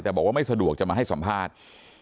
แต่บอกว่าไม่สะดวกจะมาให้สัมภาษณ์